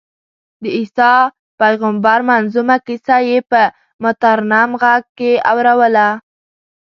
د عیسی پېغمبر منظمومه کیسه یې په مترنم غږ کې اورووله.